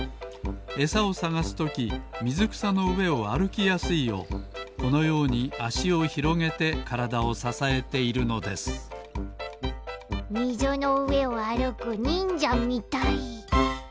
エサをさがすときみずくさのうえをあるきやすいようこのようにあしをひろげてからだをささえているのですみずのうえをあるくにんじゃみたい。